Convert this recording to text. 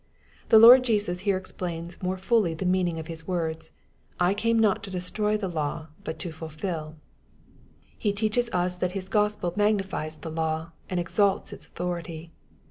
The Lord Jesus here explains more fully the meaning of His words, " I came not to destroy the law, but to fulfil." He teaches us that His Gospel magnifies the law, and exalts its authority.